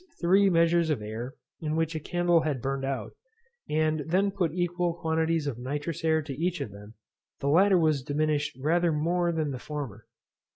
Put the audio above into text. three measures of air in which a candle had burned out; and then put equal quantities of nitrous air to each of them, the latter was diminished rather more than the former.